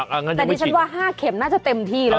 อ้าวงั้นยังไม่ฉีดนะนี่แต่นี่ฉันว่า๕เข็มน่าจะเต็มที่แล้ว